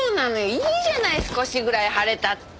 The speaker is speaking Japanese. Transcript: いいじゃない少しぐらい腫れたって。